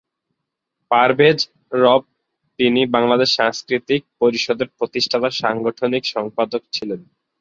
পারভেজ রব তিনি বাংলাদেশ সাংস্কৃতিক পরিষদের প্রতিষ্ঠাতা সাংগঠনিক সম্পাদক ছিলেন।